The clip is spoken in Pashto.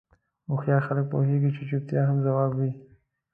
هوښیار خلک پوهېږي چې چوپتیا هم ځواب وي.